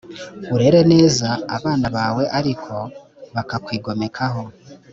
urere neza abana bawe ariko bakakwigomekaho